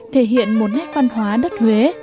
thể hiện một nét văn hóa đất huế